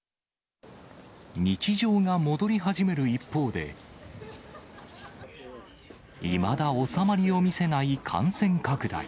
日常が戻り始める一方で、いまだ収まりを見せない感染拡大。